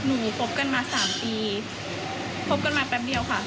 คบกันมา๓ปีคบกันมาแป๊บเดียวค่ะ